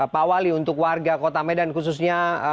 pak wali untuk warga kota medan khususnya